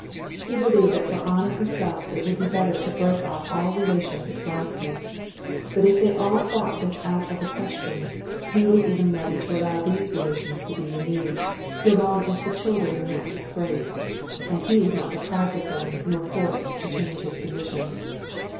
He believed that for Anna herself it would be better to break off all relations with Vronsky; but if they all thought this out of the question, he was even ready to allow these relations to be renewed, so long as the children were not disgraced, and he was not deprived of them nor forced to change his position.